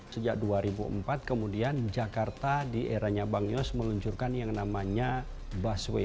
sejak dua ribu empat kemudian jakarta di eranya bang yos meluncurkan yang namanya busway